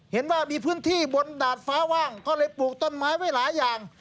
เห็นว่ามีพื้นที่บนดาดฟ้าว่างก็เลยปลูกต้นไม้ไว้หลายอย่าง